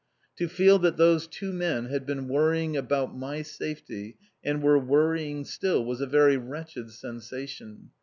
To feel that those two men had been worrying about my safety, and were worrying still, was a very wretched sensation.